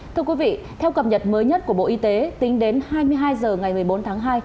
thưa quý vị theo cập nhật mới nhất của bộ y tế tính đến hai mươi hai h ngày một mươi bốn tháng hai